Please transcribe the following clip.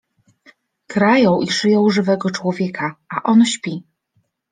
Krają i szyją żywego człowieka, a on śpi.